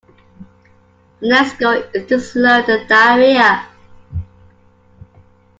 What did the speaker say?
The next goal is to slow the diarrhea.